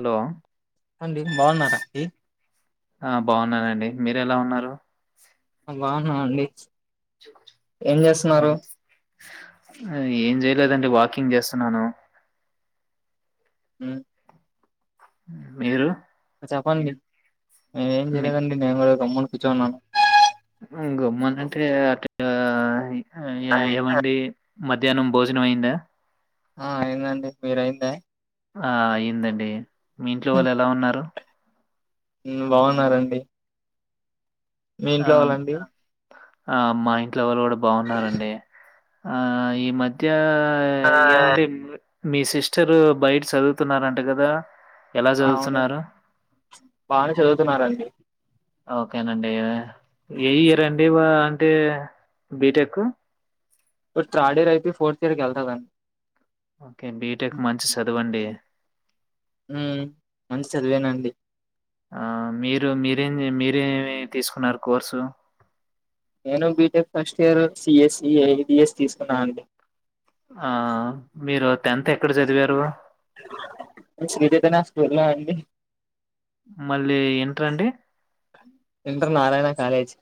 Hello అండి బాగున్నారా అండి మీరూ ఎలా ఉన్నారు బాగున్నా అండి ఏం చేయలేదండి వా కింగ్ చేస్తున్నాను ఉ మీరు చెప్పండి నేనేం చేయలేదండి నేను కూడా గామ్ముని కూర్చున్నాను ఉ ఇ గమ్మనాంటే ఆ అట్లా ఎ అవండి మధ్యానం భోజనం అయిందా ఆ అయిందండి మీరయింద ఆ అయ్యిందండి మీ ఇంట్లో వాళ్ళు ఎలా ఉన్నారు. మ్మ్ బాగున్నారండి. మీ ఆ ఇంట్లో వాల్లండి. ఆ మా ఇంట్లో వాళ్ళు కూడా బాగున్నారండి ఆ ఈ మధ్య ఆ ఏమండి మీ సిస్టరు బయట చదువుతున్నారంట కదా ఎలా ఆ అవునండి చదువుతున్నారు? బానే చదువుతున్నారండి ఓకేనండి ఏ ఇయర్ండి అంటే బీటెక్ థర్డ్ ఇర్ అయితే ఫోర్త్ ఎయర్కి వెళ్తాదండి ఓకే బీటెక్ మంచి చదవండి ఉం మంచి చదివేనండి ఆ మీరు మీరేమి మీరేమి తీసుకున్నారు కోర్సు నేను బీటెక్ ఫస్ట్ ఇయర్ సీఎస్బిఎస్ తీసుకున్నానండి ఆ మీరు టెన్త్ ఎక్కడ చదివారు కున్నా అండి మళ్ళీ ఇన్ట్రండి inter Narayana college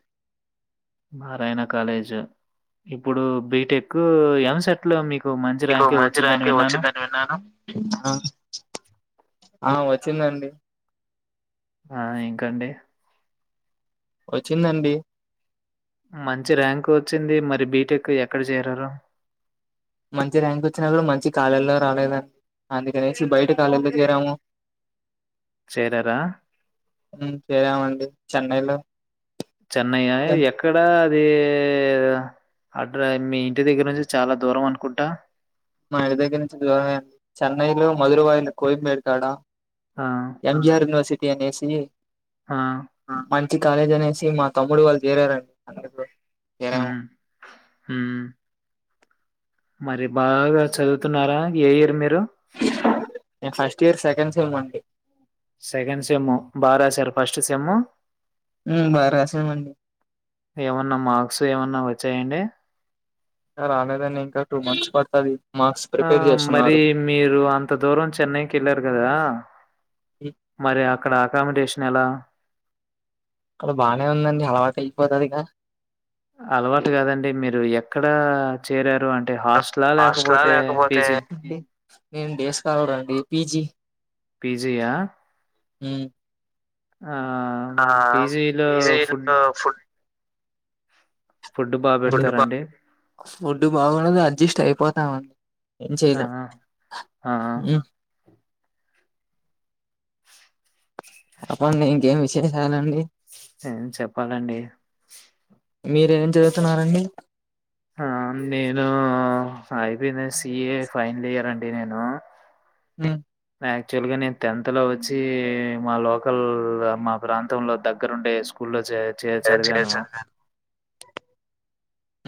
Narayana college ఇప్పుడు బీటెక్ ఎం సెట్లో మీకు మంచి మీకు ర్యాంకే మంచి వచ్చిందని ర్యాంకే విన్నాను. వచ్చిందని విన్నాను ఆ వచ్చిందండి ఆ ఇంకాండి వచ్చిందండి మంచి ర్యాంకు వచ్చింది మరి బీటెక్ ఎక్కడ చేరారు మంచి ర్యాంక్ వచ్చినా కూడా మంచి కాలెజి ల్లో రాలేదండి అందుకనేసి బయట కాలేజీ లో చేరాము చేరారా? చేరామండి చెన్నైలో చెన్నయ్య ఎక్కడా అది అడ్ర మీ ఇంటి దగ్గర నుంచి చాలా దూరం అనుకుంటా మా ఇంటి దగ్గర నుంచి దూరమే చెన్నైలో మధురవాయిలు కోయంబెడుకాడ ఆ! ఎం జిఆర్ యూనివర్సిటీ అనేసి ఆ మంచి కాలేజ్ అనేసి మా తమ్ముడు వాళ్ళు చేరారండి అందుట్లో ఉం ఉం మరి బాగా చదువుతున్నారా ఏయియరు మీరు నేను ఫస్ట్ ఇయర్ సెకండ్ సెం అండి సెకండ్ సమ్ బాగ రాశారా ఫస్ట్ సమ్ హ్మ్ బాగా రాసామండి ఎవనా మార్క్స్ ఎవనా వ చేయండి రాలేదండి ఇంకా టూ మంత్స్ పడుతుది ఆ మరి మీరు అంత దూరం చెన్నైకి వెళ్ళారు కదా మరి అక్కడ అకామిడేషన్ ఎలా అక్కడ బాగానే ఉందండి అలవాటు అయిపోతది గా అలవాటు కాదండి మీరు ఎక్కడ చేరారు అంటే హాస్టలా? హాస్టలా లేకపోతే లేకపోతే పీజీ? నేను డేస్ స్కలారండి పీజీ పిజి ఆ ఉం ఆ పీజీలో పీ జీ ఫుడ్ ఫు ఫుడ్ బా ఫుడ్ బా బెడతారండి? ఫుడ్డు బాగున్నది అడ్జస్ట్ అయిపోతామండి ఏం ఆ! చేయలేము ఆ! ఆ! ఆ! చెప్పండి ఇంకేం విశేషాలండి ఏం చెప్పాలండి మీరేం చదువుతున్నారండి ఆ నేను అయిపోయింది సిఏ ఫైనల్ ఇయర్ అండి నేను ఉమ్ యాక్చువల్గా నేను టెన్త్ లో వచ్చి మా లోకల్ మా ప్రాంతంలో దగ్గరండే స్కూల్ చే చే నేను చదివాను చేశాను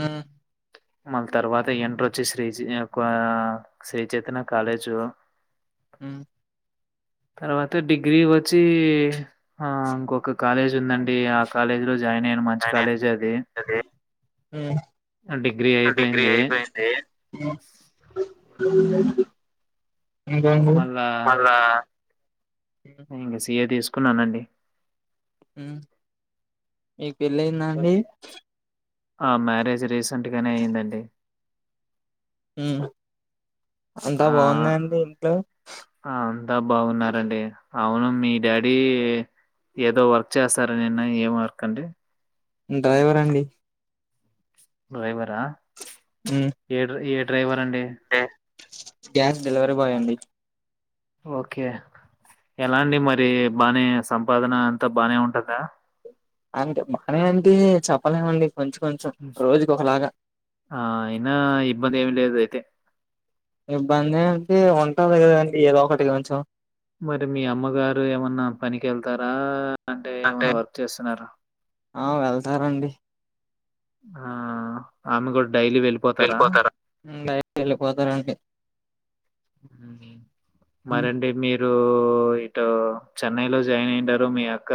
ఆ మళ్ళ తర్వాత ఎంటర్ వచ్చి శ్రీ శ్రీచైతన కాలేజు ఆ తర్వాత డిగ్రీ వచ్చి ఆ ఇంకొక కాలేజ్ ఉందండి ఆ కాలేజ్ లో జాయిన్ అయను మంచి జాయిన్ కాలేజ్ అది అయినది డిగ్రీ డిగ్రీ అయిపోయింది. అయిపోయింది ఇంగంగ మళ్ళా మళ ఇంక సీఏ తీసుకున్నానండి మీకు వెళ్ళయింద అండి ఆ మ్యారేజ్ రీసెంట్ గానే అయయిిందండి అంతా ఆ! బాగున్నాండి ఇంట్లో ఆ అంతా బాగున్నారండి అవును మీ డాడీ ఏదో వర్క్ చేస్తారా నిన్న ఏం వర్క్ అండి డ్రైవర్ అండి డ్రైవరా ఉమ్ ఏ ఏ డ్రైవర్ అండి క్యాష్ డెలివరీ బాయ్ అండి ఓకే ఎలా అండి మరి బానే సంపాదన అంతా బాగానే ఉంటందా అంటే మానే అంటే చెప్పలేమండి కొంచెం కొంచెం రోజుకి ఒకలాగా ఆ ఇన్న ఇబ్బంది ఏమి లేద అయితే ఇబ్బంది అంటే ఉంటంది కదండి ఏదో ఒకటి కొంచెం మరి మీ అమ్మగారు ఏమన్నా పనికి వెళ్తారా అంటే ఏమన్నా వర్క్ చేస్తున్నారు ఆ వెళ్తారండి ఆ ఆమె కూడా వెళ్ళిపోతారా వెళ్ళిపోతారా అండి మరిండి మీరు ఇ చెన్నై లో జాయిన్ అయింటారు మీ అక్క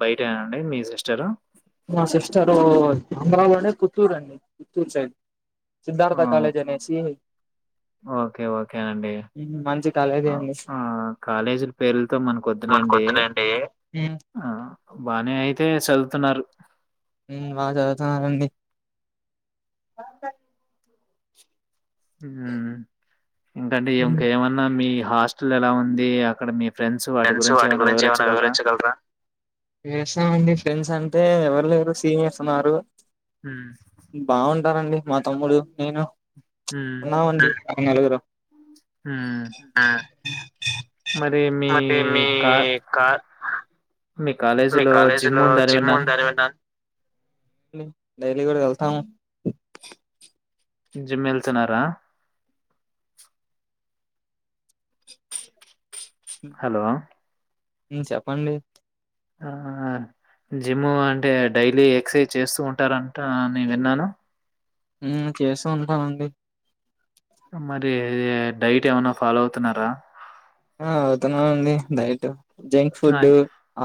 బయట అయినండి మీ సిస్టరు మా సిస్టరు అమరావనే కుత్తూర కుత్తూరు సై సిద్ధార్థ కాలేజనేసి ఓకే ఓకే అండి మంచి కాలేజే ఆ అండి ఆ కాలేజీల పేర్లతో మనక వద్దులేండి మనకొద్దులేండి ఆ బానే అయితే చదువుతున్నారు బా చదువుతున్నానండి వ స ఇంకంటే ఇంకేమన్నా మీ హాస్టల్ ఎలా ఉంది అక్కడ మీ ఫ్రెండ్స్ ఫెస్ వాటి ఏమైనా గురించి ఏమ వివరించగలరా? వివరించగలరాం ఫ్రెండ్స్ అంటే ఎవరు లేరు సీనియర్స్ ఉన్నారు హ్మ్. బాగుంటారంండి మా తమ్ముడు నేను హ్మ్. ఉన్నామండి ఆ నలుగురు హ్మ్. ఆ మధ మీ కా క మీ కాలేజీలో కాలేజీ జిమ్ లో ఉందని జిమ్ విన్నాను. ఉందని విన్నా డైలీ కూడా వెళ్తాము జిమ్మెలుతునారా హలో చెప్పండి ఆ జిమ్ అంటే డైలీ ఎక్సర్సైజ్ చేస్తూ ఉంటారంట నే విన్నాను మ్ చేస్తు ఉంటామండి మరి డైట్ ఏమన్నా ఫాలో అవుతున్నారా ఆ అవుతున్నా మండి దయీట్టు జంక్ ఫుడ్ ఆయ్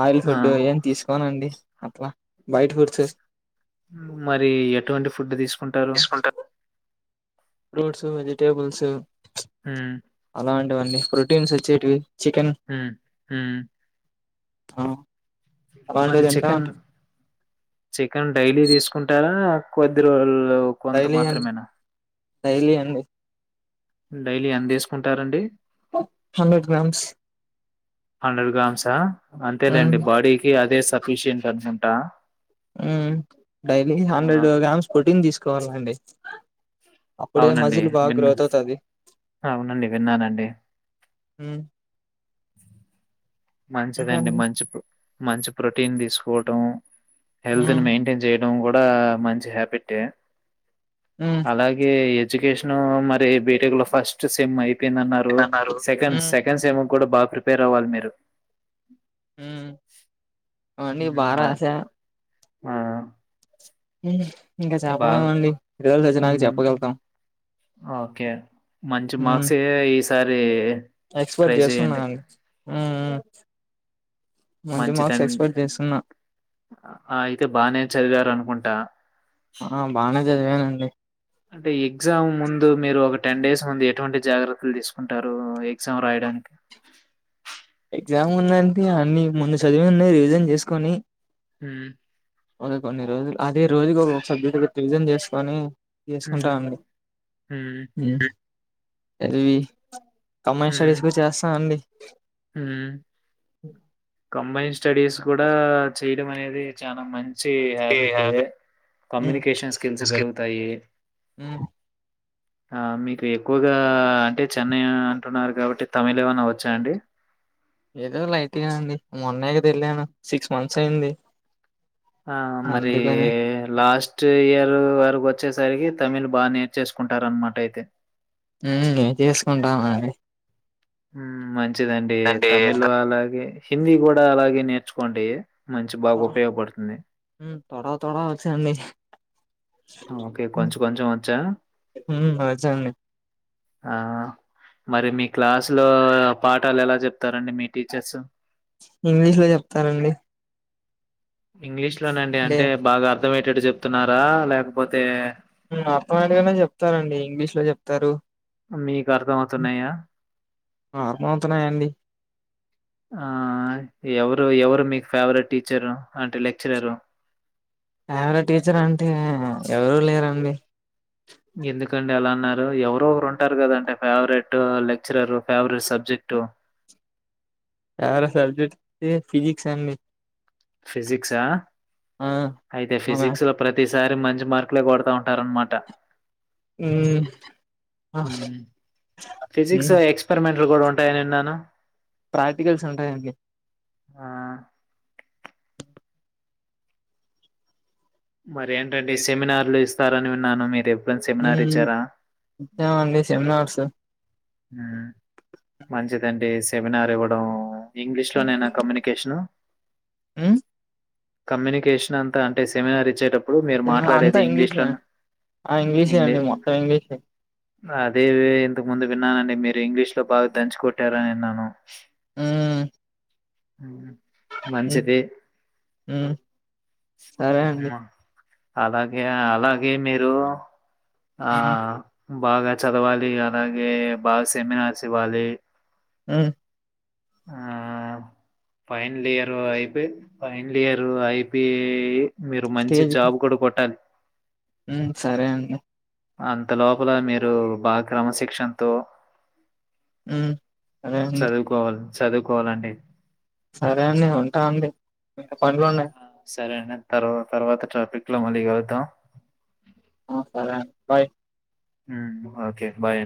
ఆయిల్ ఫుడ్డు ఆ! ఏమి తీసుకోనండి అట్లా లైట్ ఫుడ్ మ్ మరి ఎటువంటి ఫుడ్ తీసు తీసుకుంటారు ఫ్రూట్స్ వెజిటేబుల్స్ ఉ వండి ప్రొటీన్స్ ఇచ్చేటివి మ్ మ్ అ మరి చికెన్ చికెన్ డైలీ తీసుకుంటారా కొద్ది రోజులు కొంత మాత్రమేనా ఉంది డైలీ ఎందిసుకుంటారండి హా హండ్రెడ్ గ్రామ్స్ హండ్రెడ్ గ్రామ్సా అంతేలేండి బాడీకి అదే సఫిషియెంట్ అనుకుంటా ఉ డైలీ ఆ! హండ్రెడ్ గ్రామ్స్ ప్రోటీన్ తీసుకోవాలండి అప్పుడే అవునండి. మజిల్ బాగా విన్ గ్రోత్ అవుతది అవునండి విన్నానండి ఉమ్ [unintelligible] మంచిదండి ఉమ్ మంచి ప్రో మంచి ప్రోటీన్ తీసుకోవడంం హెల్త్ ని మెయింటైన్ చేయడం డం కూడా మంచి హ్యాబిటె ఉమ్ అలాగే ఎడ్యుకేషన్ మరి బీటెక్ లో ఫస్ట్ సెమ్ అయిపోయిందిన్నారు ఏమన్నారు సెకండ్ ఉమ్ సెకడ్ సెమ్ కూడా బాగా ప్రిపేర్ అవ్వాలి మీరు [unintelligible] అని ఉమ్, మ బారాస ఆ మ్ ఇంగ బాగా చెప్పలేమండి రిజల్ట్ వచ్చినాకా మ్ చెప్పగలుగుతాం ఓకే మంచి మాక్సే ఈసారి ఎక్స్పెట్ ట్రై చేసుకున్నా చేయండి అండి మ్ఉ మంచిదం చేస్తున్నా అ అయితే బానే చదివారు అనుకుంటా ఆ బానే చదివానండి అంటే ఎగ్జామ్ ముందు మీరు ఒ టెన్ డేస్ ముందు ఎటువంటి జాగ్రత్తలు తీసుకుంటారు ఎగ్జామ్ రాయడానికి ఎగ్జామ్ ఉందంటే అన్ని ముందు చదివిందే రివిజన్ చేసుకొని ఉం ఒక కొన్ని రోజులు అదే రోజుకి ఒ సబ్జెక్టుగా రివిజన్ చేసుకొని మ్ చేసుకుంటామండి మ్ చదివి కంబాయిన్ స్టడీస్ కు చేస్తాఅండి హామ్ కంబాయిన్ స్టడీస్ కూడా చేయడం అనేది చానా మంచి చి హ్యాబిటు ఉమ్ కమ్యూనికేషన్ స్కిల్స్ పెరుగుతాయి ఉమ్ [unintelligible] ఆ మీకు ఎక్కువగా అంటే చెన్నై అంటున్నారు కాబట్టి తమిళ ఏమనా వచ్చా అండి ఏదో లైట్గానండి మొనేకదా ఏళ్లను సిక్స్ మంత్స్ అయ్యింది ఆ మరి లాస్ట్ ఇయర్ వరకు వచ్ చ్చేసరికి తమిళ్ బాగా నేర్చేసుకుంటారన్నామాట అయితే మ్ తిసుకుంటాం అండి మ్ మంచిదండి తమిలు అలాగే హిందీ కూడా అలాగే నేర్చుకోండి మంచి బాగా ఉపయోగపడుతుంది తోడ తోడ వచ్చండి ఓకే. కొంచెం కొంచెం వచ్చా? హ అజండి [unintelligible] ఆ మరి మీ క్లాసు లో పాఠాలు ఎలా చెప్తారు ఇంగ్లీష్ లో చెప్తారంండి ఇంగ్లీష్ లోనండి అంటే బాగా అర్థమయటట్టు చెప్తున్నారా లేకపోతే అప్ప నాటిగానే చెప్తారంండి ఇంగ్లీష్ లో చెప్తారు మీకు అర్థం అవుతున్నాయా అర్థమవుతున్నాయండి ఆ ఎవరు ఎవరు మీకు ఫేవరెట్ టీచరు అంటే లెక్చరరు ఫేవరెట్ టీచర్ అంటే ఎవరూ లేరండి ఎందుకు ఎందుకండి అలా అన్నారు ఎవరో ఒకరు ఉంటారు కదాంటే favourite lecturer favourite subject favourite subject physics అండి ఫిజిక్స్ ఆ ఆ అయితే మన ఫిజిక్స్లో ప్రతి ఈసారి మంచి మార్కులే కొడతా ఉంటారనమాట ఉమ్ ఫిజిక్స్ ఉమ్ లో ఎక్స్పరిమెంట్ లు కూడా ఉంటాయని విన్నాను ప్రాక్టికల్స్ ఉంటాయా అండి ఆ! మరి ఏంటండీ సెమినార్లు ఇస్తారని విన్నాను మీరే ఉమ్ ఇత్తామండి సెమినార్సు మంచిదండి సెమినార్ ఇవ్వడం ఇంగ్లీషులో నేనా కమ్యూనికేషను మ్మ్ కమ్యూనికేషన్ అంతా అంటే సెమినార్ ఇచ్చేటప్పు ఇప్పుడు మీరు అంతా మాట్లాడేది ఇంగ్లీష్ ఇంగ్లీషే లోన ఆ ఇంగ్లీషే ఇంగ్లీ అండి మొత్తం ఇంగ్లీషే అదే ఇంతకు ముందు విన్నానండి మీరు ఇంగ్లీష్ లో బాగా దంచి కొట్టారని విన్నాను ఆ హ మంచిది మ్మ్ సరే అండి మా అలాగే అలాగే మీరు ఆ మ్మ్ బాగా చదవాలి అలాగే బాగా సెమినార్స్ ఇవ్వాలి ఉ ఆ final year IP final year IP మీరు మంచి జాబ్ కూడా కొట్టాలి ఉ సరే అండి అంత లోపల మీరు బా క్రమశిక్షణతో ఉ అదేంది చదువుకోవాలి చదువుకోవాలండి సరే అండి ఉంటాండి బిక పనులు ఉన్నాయి ఆ, సరే అండి తర్వా తర్వాత ట్రాఫిక్ లో మళ్ళీ కలుద్దాం ఓ సరే అండి బాయ్ ఓకే బాయ్ అ